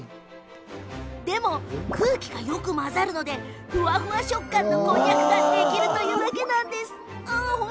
でも空気がよく混ざるのでふわふわ食感のこんにゃくができるんですって。